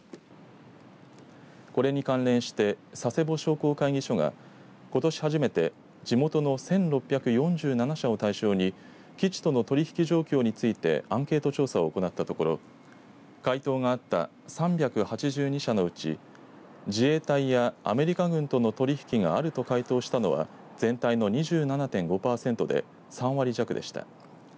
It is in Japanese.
これに関連して佐世保商工会議所がことし初めて地元の１６４７社を対象に基地との取り引き状況についてアンケート調査を行ったところ回答があった３８２社のうち自衛隊やアメリカ軍との取り引きがあると回答したのは全体の２７．５パーセントで３割弱でした。